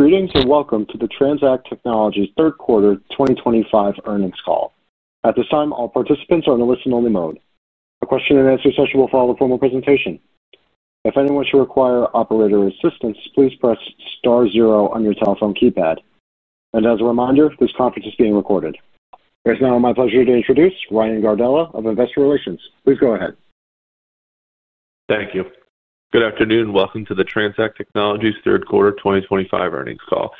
Greetings and welcome to the TransAct Technologies Third Quarter 2025 Earnings Call. At this time, all participants are in a listen-only mode. The question-and-answer session will follow the formal presentation. If anyone should require operator assistance, please press star zero on your telephone keypad. As a reminder, this conference is being recorded. It is now my pleasure to introduce Ryan Gardella of Investor Relations. Please go ahead. Thank you. Good afternoon. Welcome to the TransAct Technologies Third Quarter 2025 Earnings Call.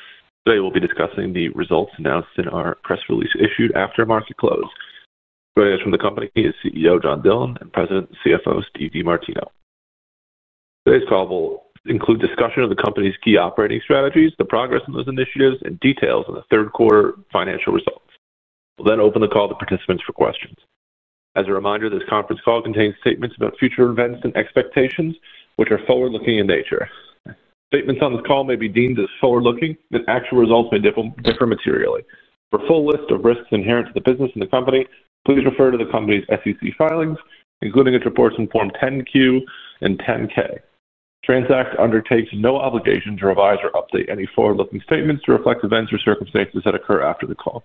Today, we'll be discussing the results announced in our press release issued after market close. Joining us from the company is CEO John Dillon and President and CFO Steve DeMartino. Today's call will include discussion of the company's key operating strategies, the progress in those initiatives, and details on the third quarter financial results. We'll then open the call to participants for questions. As a reminder, this conference call contains statements about future events and expectations, which are forward-looking in nature. Statements on this call may be deemed as forward-looking, and actual results may differ materially. For a full list of risks inherent to the business and the company, please refer to the company's SEC filings, including its reports in Form 10-Q and 10-K. TransAct undertakes no obligation to revise or update any forward-looking statements to reflect events or circumstances that occur after the call.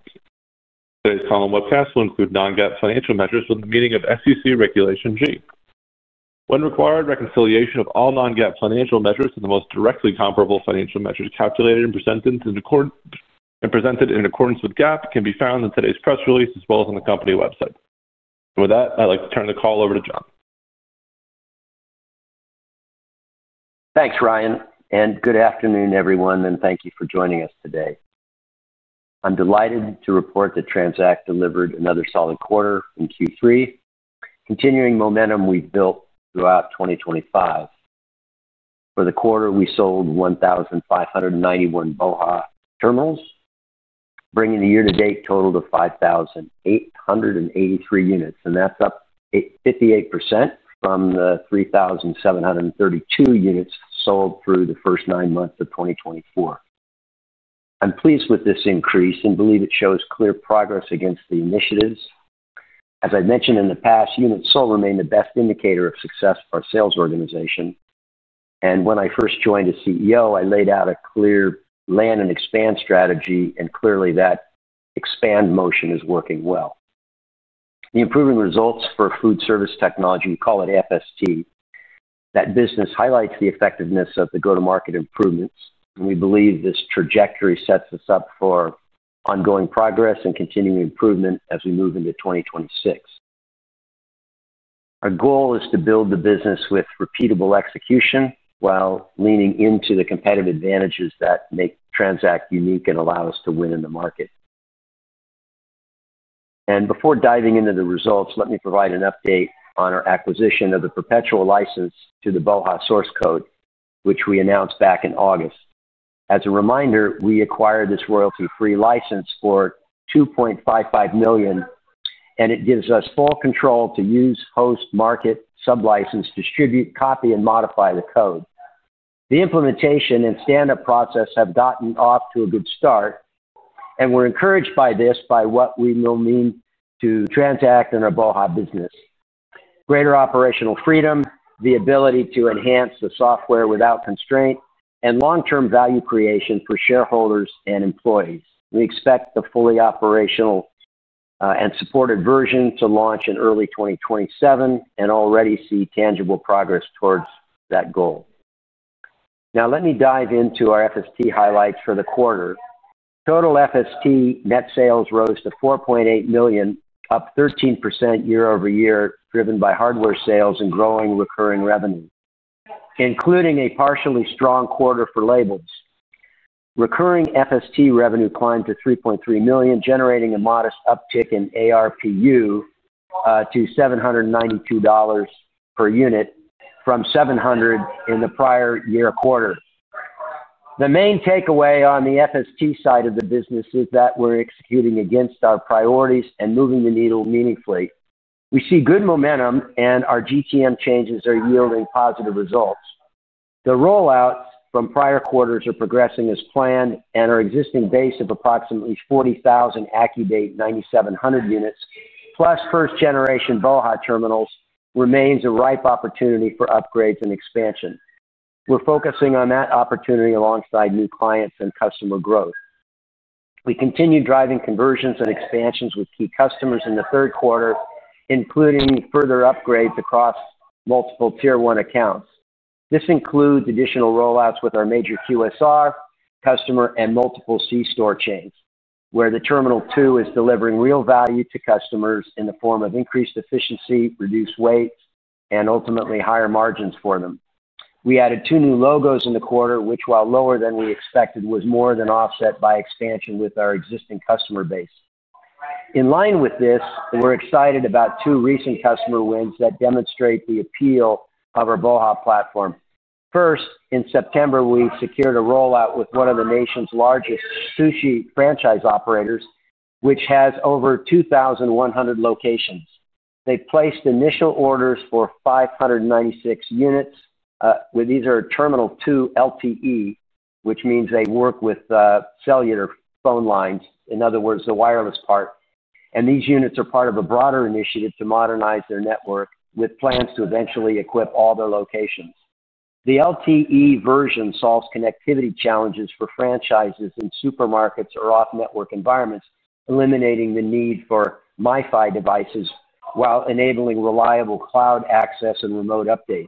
Today's call and webcast will include non-GAAP financial measures from the meeting of SEC Regulation G. When required, reconciliation of all non-GAAP financial measures and the most directly comparable financial measures calculated and presented in accordance with GAAP can be found in today's press release as well as on the company website. With that, I'd like to turn the call over to John. Thanks, Ryan, and good afternoon, everyone, and thank you for joining us today. I'm delighted to report that TransAct delivered another solid quarter in Q3, continuing momentum we've built throughout 2024. For the quarter, we sold 1,591 BOHA terminals, bringing the year-to-date total to 5,883 units, and that's up 58% from the 3,732 units sold through the first nine months of 2024. I'm pleased with this increase and believe it shows clear progress against the initiatives. As I've mentioned in the past, units sold remain the best indicator of success for our sales organization. When I first joined as CEO, I laid out a clear land and expand strategy, and clearly that expand motion is working well. The improving results for food service technology, we call it FST, that business highlights the effectiveness of the go-to-market improvements, and we believe this trajectory sets us up for ongoing progress and continuing improvement as we move into 2026. Our goal is to build the business with repeatable execution while leaning into the competitive advantages that make TransAct unique and allow us to win in the market. Before diving into the results, let me provide an update on our acquisition of the perpetual license to the BOHA source code, which we announced back in August. As a reminder, we acquired this royalty-free license for $2.55 million, and it gives us full control to use, host, market, sublicense, distribute, copy, and modify the code. The implementation and stand-up process have gotten off to a good start, and we're encouraged by this by what we will mean to TransAct and our BOHA business: greater operational freedom, the ability to enhance the software without constraint, and long-term value creation for shareholders and employees. We expect the fully operational and supported version to launch in early 2027 and already see tangible progress towards that goal. Now, let me dive into our FST highlights for the quarter. Total FST net sales rose to $4.8 million, up 13% year-over-year, driven by hardware sales and growing recurring revenue, including a partially strong quarter for labels. Recurring FST revenue climbed to $3.3 million, generating a modest uptick in ARPU to $792 per unit from $700 in the prior year quarter. The main takeaway on the FST side of the business is that we're executing against our priorities and moving the needle meaningfully. We see good momentum, and our GTM changes are yielding positive results. The rollouts from prior quarters are progressing as planned, and our existing base of approximately 40,000 AccuDate 9700 units, plus first-generation BOHA terminals, remains a ripe opportunity for upgrades and expansion. We're focusing on that opportunity alongside new clients and customer growth. We continue driving conversions and expansions with key customers in the third quarter, including further upgrades across multiple tier-one accounts. This includes additional rollouts with our major QSR customer and multiple C-store chains, where the Terminal 2 is delivering real value to customers in the form of increased efficiency, reduced wait, and ultimately higher margins for them. We added two new logos in the quarter, which, while lower than we expected, was more than offset by expansion with our existing customer base. In line with this, we're excited about two recent customer wins that demonstrate the appeal of our BOHA platform. First, in September, we secured a rollout with one of the nation's largest sushi franchise operators, which has over 2,100 locations. They placed initial orders for 596 units. These are Terminal 2 LTE, which means they work with cellular phone lines, in other words, the wireless part. These units are part of a broader initiative to modernize their network with plans to eventually equip all their locations. The LTE version solves connectivity challenges for franchises in supermarkets or off-network environments, eliminating the need for MiFi devices while enabling reliable cloud access and remote updates.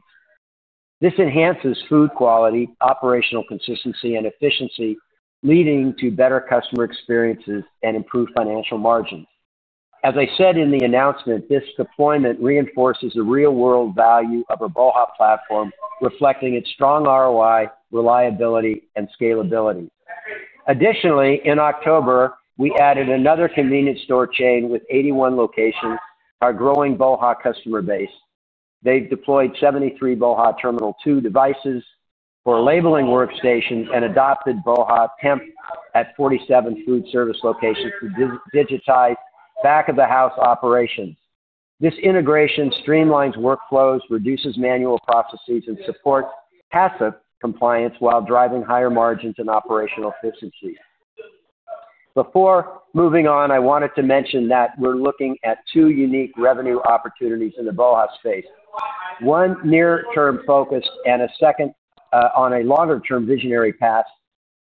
This enhances food quality, operational consistency, and efficiency, leading to better customer experiences and improved financial margins. As I said in the announcement, this deployment reinforces the real-world value of our BOHA platform, reflecting its strong ROI, reliability, and scalability. Additionally, in October, we added another convenience store chain with 81 locations, our growing BOHA customer base. They've deployed 73 BOHA Terminal 2 devices for labeling workstations and adopted BOHA Temp at 47 food service locations to digitize back-of-the-house operations. This integration streamlines workflows, reduces manual processes, and supports HACCP compliance while driving higher margins and operational efficiencies. Before moving on, I wanted to mention that we're looking at two unique revenue opportunities in the BOHA space: one near-term focused and a second on a longer-term visionary path.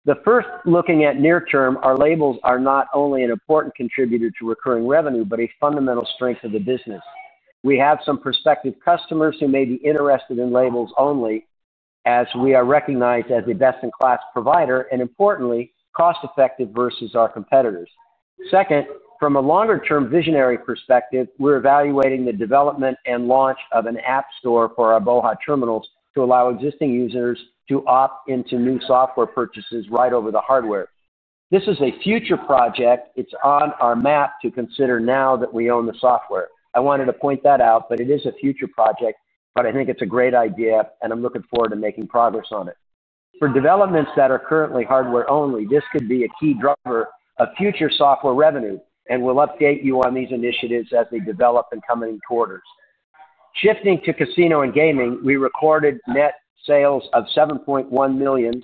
The first, looking at near-term, our labels are not only an important contributor to recurring revenue but a fundamental strength of the business. We have some prospective customers who may be interested in labels only, as we are recognized as a best-in-class provider and, importantly, cost-effective versus our competitors. Second, from a longer-term visionary perspective, we're evaluating the development and launch of an app store for our BOHA terminals to allow existing users to opt into new software purchases right over the hardware. This is a future project. It's on our map to consider now that we own the software. I wanted to point that out, but it is a future project, but I think it's a great idea, and I'm looking forward to making progress on it. For developments that are currently hardware-only, this could be a key driver of future software revenue, and we'll update you on these initiatives as they develop in coming quarters. Shifting to casino and gaming, we recorded net sales of $7.1 million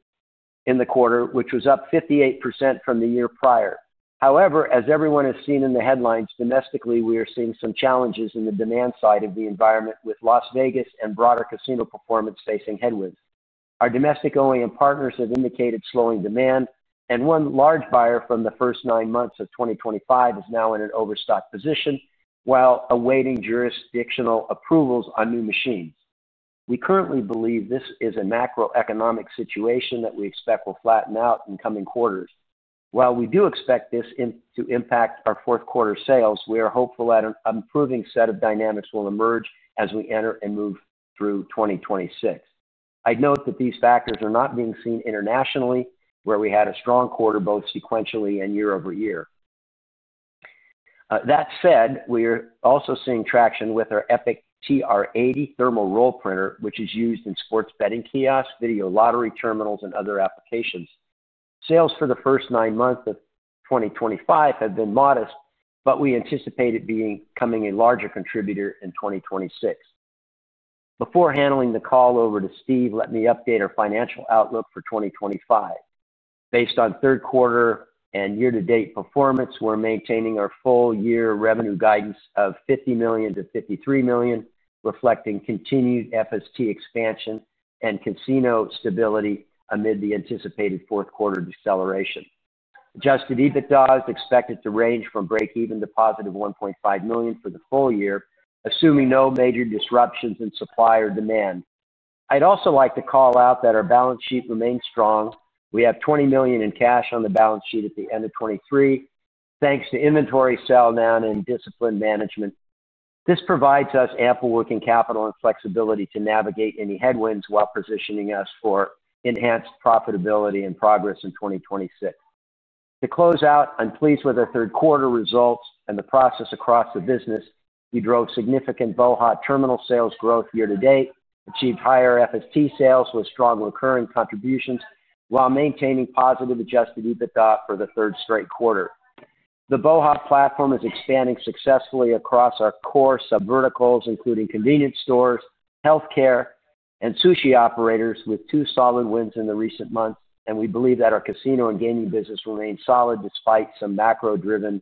in the quarter, which was up 58% from the year prior. However, as everyone has seen in the headlines, domestically, we are seeing some challenges in the demand side of the environment with Las Vegas and broader casino performance facing headwinds. Our domestic partners have indicated slowing demand, and one large buyer from the first nine months of 2025 is now in an overstock position while awaiting jurisdictional approvals on new machines. We currently believe this is a macroeconomic situation that we expect will flatten out in coming quarters. While we do expect this to impact our fourth quarter sales, we are hopeful that an improving set of dynamics will emerge as we enter and move through 2026. I'd note that these factors are not being seen internationally, where we had a strong quarter both sequentially and year-over-year. That said, we are also seeing traction with our Epic TR80 Thermal Roll Printer, which is used in sports betting kiosks, video lottery terminals, and other applications. Sales for the first nine months of 2025 have been modest, but we anticipate it becoming a larger contributor in 2026. Before handing the call over to Steve, let me update our financial outlook for 2025. Based on third quarter and year-to-date performance, we're maintaining our full-year revenue guidance of $50 million-$53 million, reflecting continued FST expansion and casino stability amid the anticipated fourth quarter deceleration. Adjusted EBITDA is expected to range from break-even to positive $1.5 million for the full year, assuming no major disruptions in supply or demand. I'd also like to call out that our balance sheet remains strong. We have $20 million in cash on the balance sheet at the end of 2023, thanks to inventory sell down and disciplined management. This provides us ample working capital and flexibility to navigate any headwinds while positioning us for enhanced profitability and progress in 2026. To close out, I'm pleased with our third quarter results and the process across the business. We drove significant BOHA terminal sales growth year-to-date, achieved higher FST sales with strong recurring contributions, while maintaining positive adjusted EBITDA for the third straight quarter. The BOHA platform is expanding successfully across our core sub-verticals, including convenience stores, healthcare, and sushi operators, with two solid wins in the recent months, and we believe that our casino and gaming business remains solid despite some macro-driven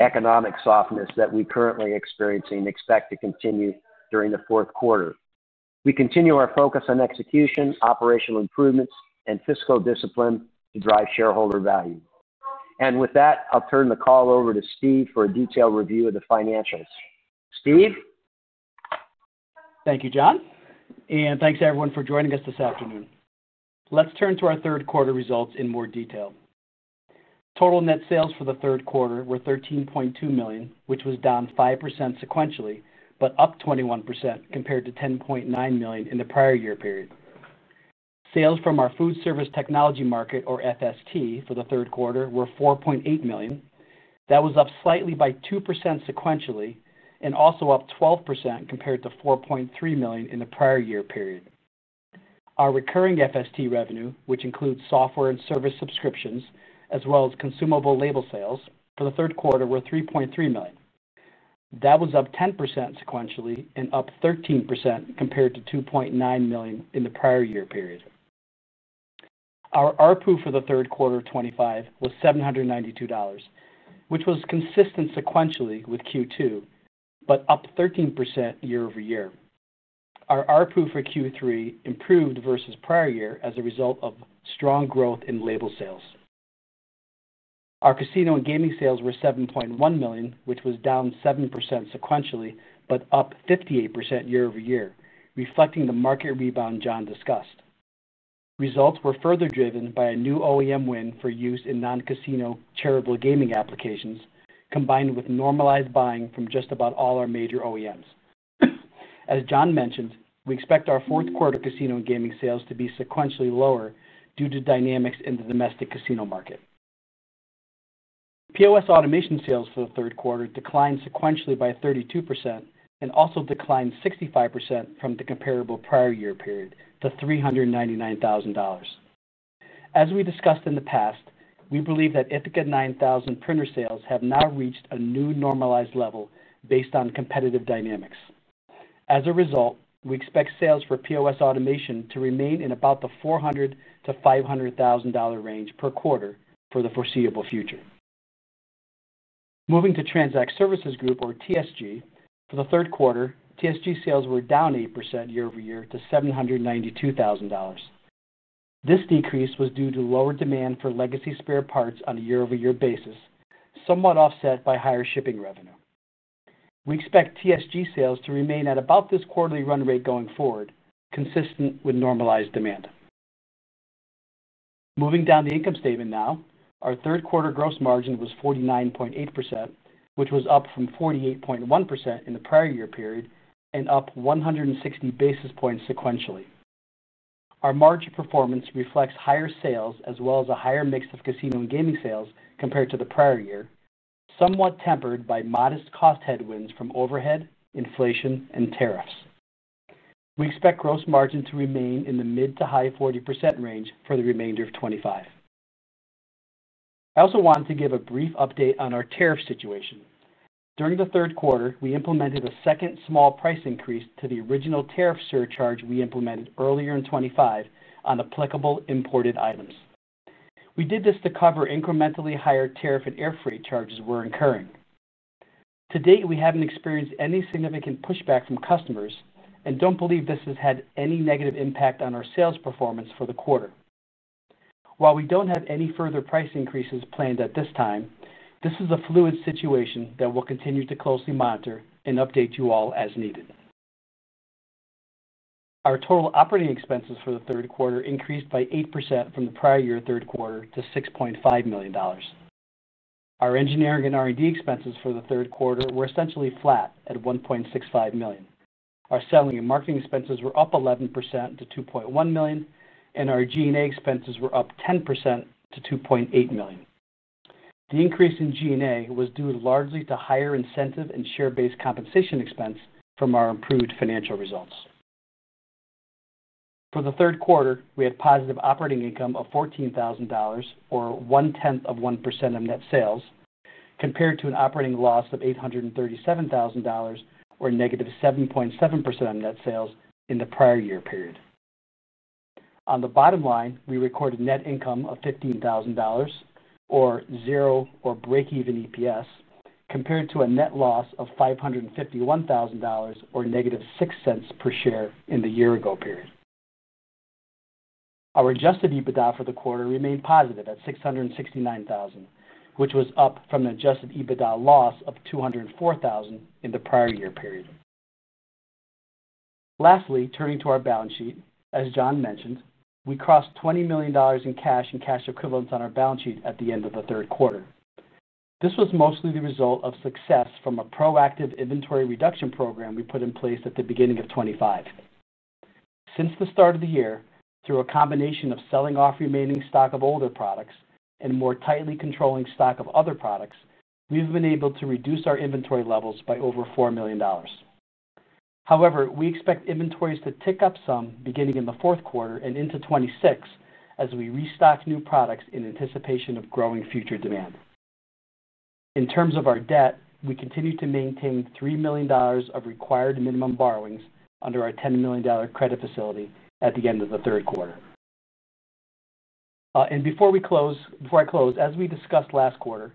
economic softness that we're currently experiencing and expect to continue during the fourth quarter. We continue our focus on execution, operational improvements, and fiscal discipline to drive shareholder value. With that, I'll turn the call over to Steve for a detailed review of the financials. Steve? Thank you, John, and thanks to everyone for joining us this afternoon. Let's turn to our third quarter results in more detail. Total net sales for the third quarter were $13.2 million, which was down 5% sequentially but up 21% compared to $10.9 million in the prior year period. Sales from our food service technology market, or FST, for the third quarter were $4.8 million. That was up slightly by 2% sequentially and also up 12% compared to $4.3 million in the prior year period. Our recurring FST revenue, which includes software and service subscriptions as well as consumable label sales, for the third quarter were $3.3 million. That was up 10% sequentially and up 13% compared to $2.9 million in the prior year period. Our RPU for the third quarter of 2025 was $792, which was consistent sequentially with Q2 but up 13% year-over-year. Our RPU for Q3 improved versus prior year as a result of strong growth in label sales. Our casino and gaming sales were $7.1 million, which was down 7% sequentially but up 58% year-over-year, reflecting the market rebound John discussed. Results were further driven by a new OEM win for use in non-casino charitable gaming applications, combined with normalized buying from just about all our major OEMs. As John mentioned, we expect our fourth quarter casino and gaming sales to be sequentially lower due to dynamics in the domestic casino market. POS automation sales for the third quarter declined sequentially by 32% and also declined 65% from the comparable prior year period to $399,000. As we discussed in the past, we believe that Ithaca 9000 printer sales have now reached a new normalized level based on competitive dynamics. As a result, we expect sales for POS automation to remain in about the $400,000-$500,000 range per quarter for the foreseeable future. Moving to TransAct Services Group, or TSG, for the third quarter, TSG sales were down 8% year-over-year to $792,000. This decrease was due to lower demand for legacy spare parts on a year-over-year basis, somewhat offset by higher shipping revenue. We expect TSG sales to remain at about this quarterly run rate going forward, consistent with normalized demand. Moving down the income statement now, our third quarter gross margin was 49.8%, which was up from 48.1% in the prior year period and up 160 basis points sequentially. Our margin performance reflects higher sales as well as a higher mix of casino and gaming sales compared to the prior year, somewhat tempered by modest cost headwinds from overhead, inflation, and tariffs. We expect gross margin to remain in the mid to high 40% range for the remainder of 2025. I also wanted to give a brief update on our tariff situation. During the third quarter, we implemented a second small price increase to the original tariff surcharge we implemented earlier in 2025 on applicable imported items. We did this to cover incrementally higher tariff and air freight charges we're incurring. To date, we haven't experienced any significant pushback from customers and don't believe this has had any negative impact on our sales performance for the quarter. While we don't have any further price increases planned at this time, this is a fluid situation that we'll continue to closely monitor and update you all as needed. Our total operating expenses for the third quarter increased by 8% from the prior year third quarter to $6.5 million. Our engineering and R&D expenses for the third quarter were essentially flat at $1.65 million. Our selling and marketing expenses were up 11% to $2.1 million, and our G&A expenses were up 10% to $2.8 million. The increase in G&A was due largely to higher incentive and share-based compensation expense from our improved financial results. For the third quarter, we had positive operating income of $14,000, or one-tenth of 1% of net sales, compared to an operating loss of $837,000, or negative 7.7% of net sales in the prior year period. On the bottom line, we recorded net income of $15,000, or zero or break-even EPS, compared to a net loss of $551,000, or negative $0.06 per share in the year-ago period. Our adjusted EBITDA for the quarter remained positive at $669,000, which was up from the adjusted EBITDA loss of $204,000 in the prior year period. Lastly, turning to our balance sheet, as John mentioned, we crossed $20 million in cash and cash equivalents on our balance sheet at the end of the third quarter. This was mostly the result of success from a proactive inventory reduction program we put in place at the beginning of 2025. Since the start of the year, through a combination of selling off remaining stock of older products and more tightly controlling stock of other products, we've been able to reduce our inventory levels by over $4 million. However, we expect inventories to tick up some beginning in the fourth quarter and into 2026 as we restock new products in anticipation of growing future demand. In terms of our debt, we continue to maintain $3 million of required minimum borrowings under our $10 million credit facility at the end of the third quarter. Before I close, as we discussed last quarter,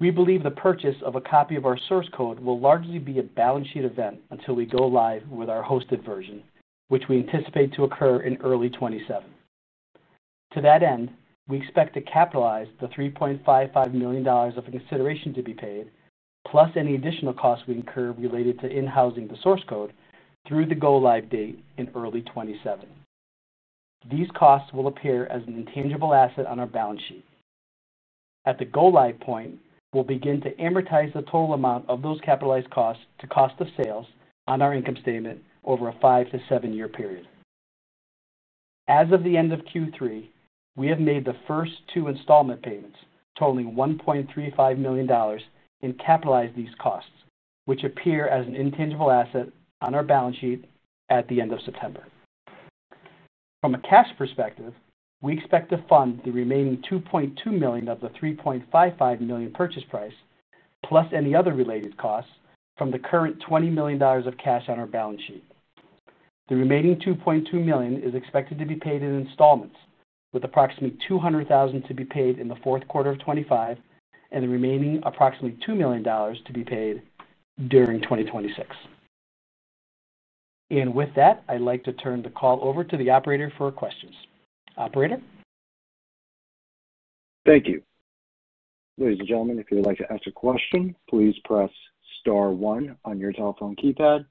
we believe the purchase of a copy of our source code will largely be a balance sheet event until we go live with our hosted version, which we anticipate to occur in early 2027. To that end, we expect to capitalize the $3.55 million of consideration to be paid, plus any additional costs we incur related to in-housing the source code through the go-live date in early 2027. These costs will appear as an intangible asset on our balance sheet. At the go-live point, we'll begin to amortize the total amount of those capitalized costs to cost of sales on our income statement over a five to seven-year period. As of the end of Q3, we have made the first two installment payments totaling $1.35 million and capitalized these costs, which appear as an intangible asset on our balance sheet at the end of September. From a cash perspective, we expect to fund the remaining $2.2 million of the $3.55 million purchase price, plus any other related costs from the current $20 million of cash on our balance sheet. The remaining $2.2 million is expected to be paid in installments, with approximately $200,000 to be paid in the fourth quarter of 2025 and the remaining approximately $2 million to be paid during 2026. With that, I'd like to turn the call over to the operator for questions. Operator? Thank you. Ladies and gentlemen, if you'd like to ask a question, please press Star 1 on your telephone keypad,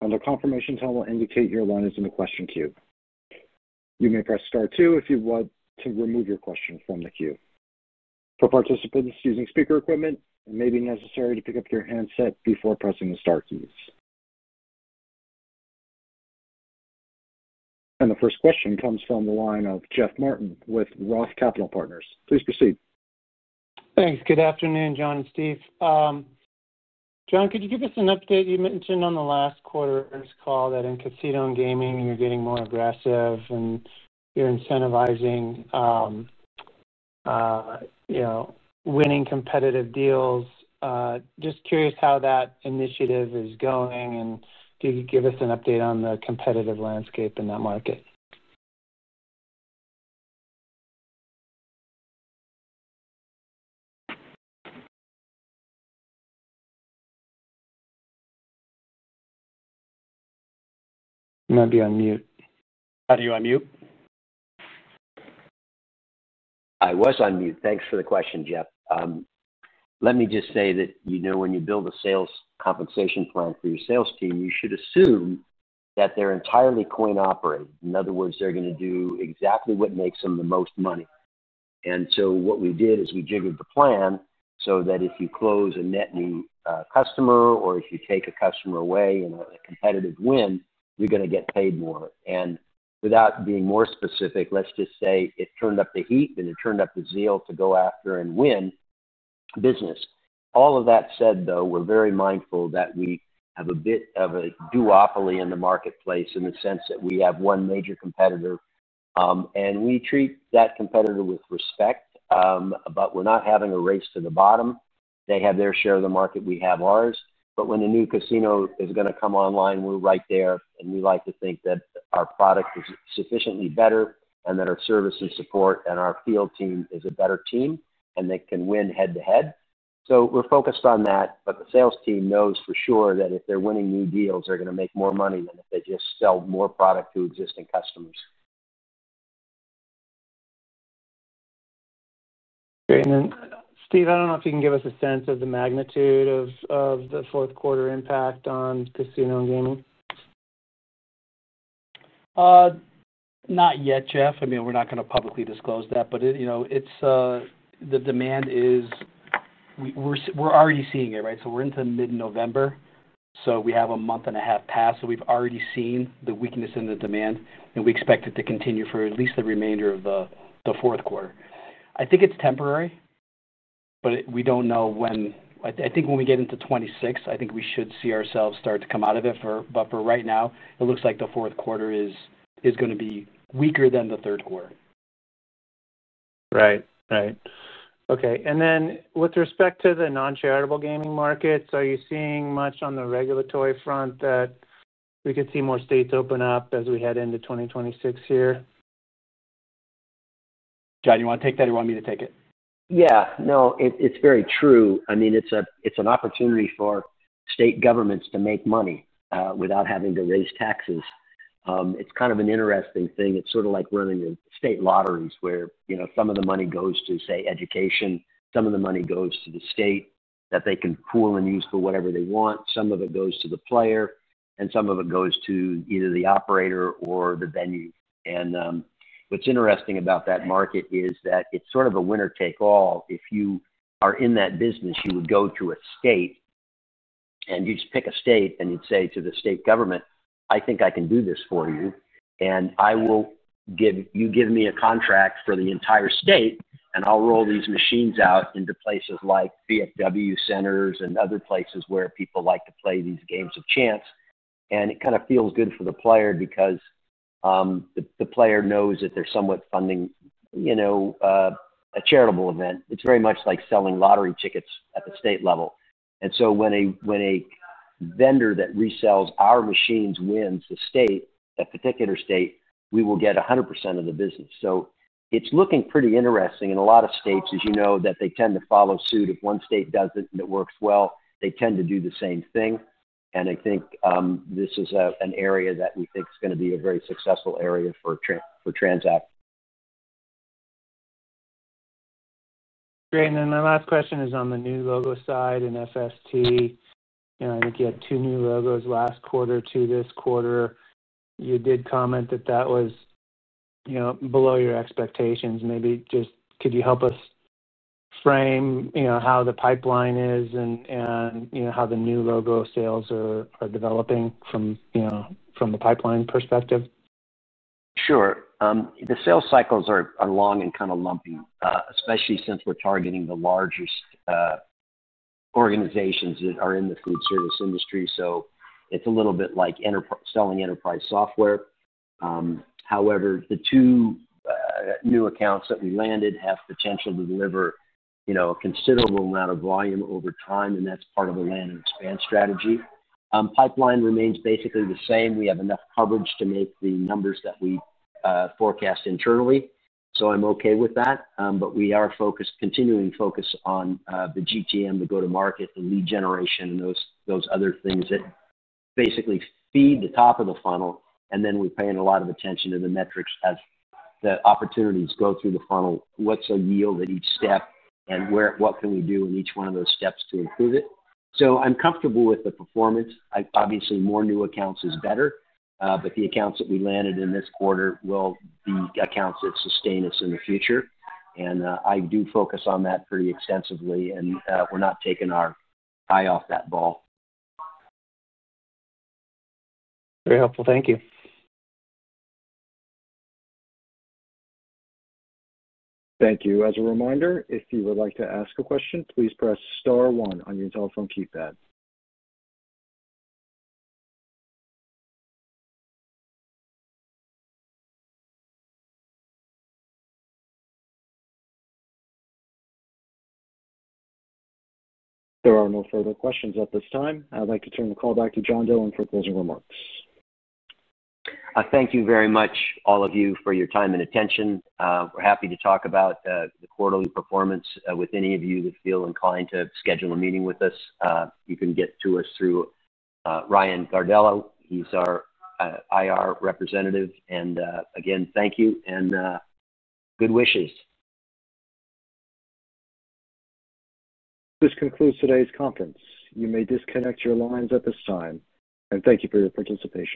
and a confirmation tone will indicate your line is in the question queue. You may press Star 2 if you want to remove your question from the queue. For participants using speaker equipment, it may be necessary to pick up your handset before pressing the Star keys. The first question comes from the line of Jeff Martin with ROTH Capital Partners. Please proceed. Thanks. Good afternoon, John and Steve. John, could you give us an update? You mentioned on the last quarter's call that in casino and gaming, you're getting more aggressive and you're incentivizing winning competitive deals. Just curious how that initiative is going, and could you give us an update on the competitive landscape in that market? You might be on mute. How do you unmute? I was on mute. Thanks for the question, Jeff. Let me just say that when you build a sales compensation plan for your sales team, you should assume that they're entirely coin-operated. In other words, they're going to do exactly what makes them the most money. What we did is we jiggered the plan so that if you close a net new customer or if you take a customer away in a competitive win, you're going to get paid more. Without being more specific, let's just say it turned up the heat and it turned up the zeal to go after and win business. All of that said, though, we're very mindful that we have a bit of a duopoly in the marketplace in the sense that we have one major competitor, and we treat that competitor with respect, but we're not having a race to the bottom. They have their share of the market; we have ours. When a new casino is going to come online, we're right there, and we like to think that our product is sufficiently better and that our service and support and our field team is a better team and they can win head-to-head. We're focused on that, but the sales team knows for sure that if they're winning new deals, they're going to make more money than if they just sell more product to existing customers. Great. Steve, I don't know if you can give us a sense of the magnitude of the fourth quarter impact on casino and gaming. Not yet, Jeff. I mean, we're not going to publicly disclose that, but the demand is we're already seeing it, right? We're into mid-November, so we have a month and a half past, so we've already seen the weakness in the demand, and we expect it to continue for at least the remainder of the fourth quarter. I think it's temporary, but we don't know when. I think when we get into 2026, I think we should see ourselves start to come out of it. For right now, it looks like the fourth quarter is going to be weaker than the third quarter. Right. Right. Okay. With respect to the non-charitable gaming markets, are you seeing much on the regulatory front that we could see more states open up as we head into 2026 here? John, you want to take that or you want me to take it? Yeah. No, it's very true. I mean, it's an opportunity for state governments to make money without having to raise taxes. It's kind of an interesting thing. It's sort of like running state lotteries where some of the money goes to, say, education, some of the money goes to the state that they can pool and use for whatever they want, some of it goes to the player, and some of it goes to either the operator or the venue. What's interesting about that market is that it's sort of a winner-take-all. If you are in that business, you would go to a state and you'd just pick a state and you'd say to the state government, "I think I can do this for you, and you give me a contract for the entire state, and I'll roll these machines out into places like VFW centers and other places where people like to play these games of chance." It kind of feels good for the player because the player knows that they're somewhat funding a charitable event. It's very much like selling lottery tickets at the state level. When a vendor that resells our machines wins the state, that particular state, we will get 100% of the business. It's looking pretty interesting. A lot of states, as you know, tend to follow suit. If one state does it and it works well, they tend to do the same thing. I think this is an area that we think is going to be a very successful area for TransAct. Great. My last question is on the new logo side in FST. I think you had two new logos last quarter to this quarter. You did comment that that was below your expectations. Maybe just could you help us frame how the pipeline is and how the new logo sales are developing from the pipeline perspective? Sure. The sales cycles are long and kind of lumpy, especially since we're targeting the largest organizations that are in the food service industry. It is a little bit like selling enterprise software. However, the two new accounts that we landed have potential to deliver a considerable amount of volume over time, and that is part of the land and expand strategy. Pipeline remains basically the same. We have enough coverage to make the numbers that we forecast internally. I am okay with that, but we are continuing focus on the GTM, the go-to-market, the lead generation, and those other things that basically feed the top of the funnel. We are paying a lot of attention to the metrics as the opportunities go through the funnel, what is our yield at each step, and what can we do in each one of those steps to improve it. I'm comfortable with the performance. Obviously, more new accounts is better, but the accounts that we landed in this quarter will be accounts that sustain us in the future. I do focus on that pretty extensively, and we're not taking our eye off that ball. Very helpful. Thank you. As a reminder, if you would like to ask a question, please press Star 1 on your telephone keypad. There are no further questions at this time. I'd like to turn the call back to John Dillon for closing remarks. Thank you very much, all of you, for your time and attention. We are happy to talk about the quarterly performance with any of you that feel inclined to schedule a meeting with us. You can get to us through Ryan Gardella. He is our IR representative. Again, thank you and good wishes. This concludes today's conference. You may disconnect your lines at this time. Thank you for your participation.